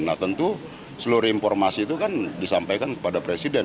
nah tentu seluruh informasi itu kan disampaikan kepada presiden